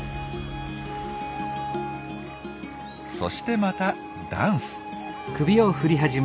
そしてまたダンス。